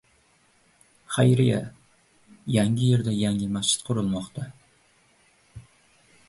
Xayriya: Yangierda yangi masjid qurilmoqda